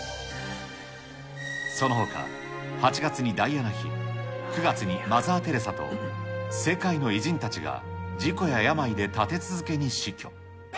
そのほか、８月にダイアナ妃、９月にマザー・テレサと、世界の偉人たちが事故や病で立て続けに死去。